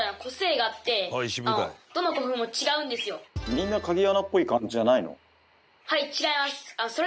みんな鍵穴っぽい感じじゃないの？